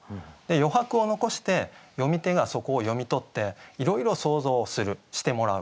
余白を残して読み手がそこを読み取っていろいろ想像をするしてもらう。